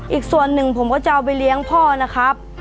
อีกส่วนหนึ่งผมก็จะเอาไปเลี้ยงพ่อนะครับ